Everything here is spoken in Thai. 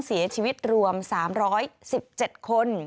เสียชีวิตรวม๓๑๗คน